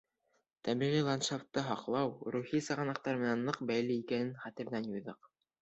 Тәбиғи ландшафтты һаҡлау рухи сығанаҡтар менән ныҡ бәйле икәнен хәтерҙән юйҙыҡ.